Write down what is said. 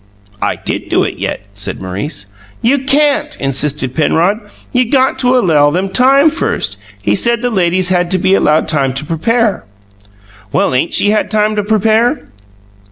"I did do it yet!" said Maurice. "You can't!" insisted Penrod. "You got to allow them time first. He said the ladies had to be allowed time to prepare." "Well, ain't she had time to prepare?"